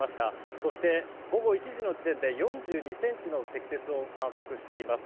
そして、午後１時の時点で４２ｃｍの積雪を観測しています。